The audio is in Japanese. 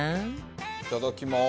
いただきます。